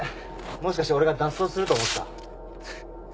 もしかして俺が脱走すると思った？